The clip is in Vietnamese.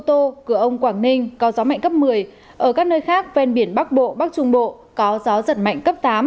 ở các nơi khác ven biển bắc bộ bắc trung bộ có gió giật mạnh cấp tám